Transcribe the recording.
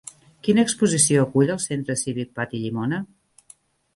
Quina exposició acull el Centre Cívic Patí Llimona?